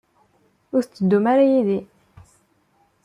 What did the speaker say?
Ur tetteddum ara yid-i?